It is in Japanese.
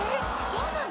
そうなの？